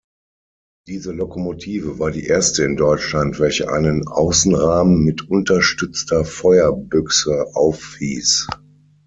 Diese Lokomotive war die erste in Deutschland, welche einen Außenrahmen mit unterstützter Feuerbüchse aufwies.